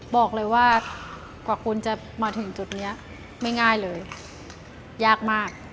บอกเลยว่ากว่าคุณจะมาถึงจุดนี้ไม่ง่ายเลยยากมาก